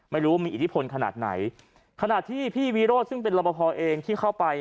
ไม่รู้มีอิทธิพลขนาดไหนขณะที่พี่วิโรธซึ่งเป็นรบพอเองที่เข้าไป